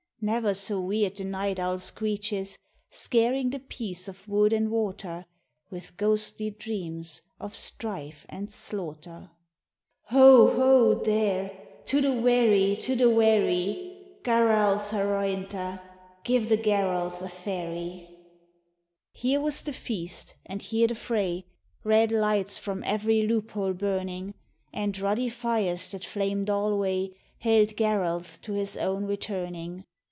Never so weird the night owl screeches Scaring the peace of wood and water With ghostly dreams of strife and slaughter. " Ho, ho, there ! To the wherry, to the wherry ! Garalth harointha ! Give the Garalth a ferry !" GARALTH'S FERRY 103 Here was the feast, and here the fray, Red lights from every loophole burning, And ruddy fires that flamed alway Hailed Garalth to his own returning.